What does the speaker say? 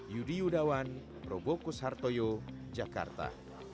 yudi yudawan probokus hartoyo jakarta